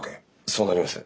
そうなります。